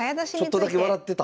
ちょっとだけ笑ってた。